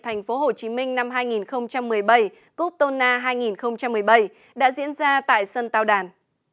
tp hcm năm hai nghìn một mươi bảy cup tona hai nghìn một mươi bảy đã diễn ra tại sân tàu đàn